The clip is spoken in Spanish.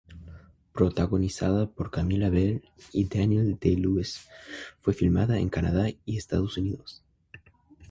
Protagonizada por Camilla Belle y Daniel Day-Lewis, fue filmada en Canadá y Estados Unidos.